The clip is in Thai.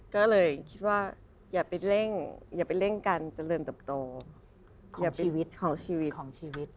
ก็เลยคิดว่าอย่าไปเร่งการเจริญตบโตของชีวิต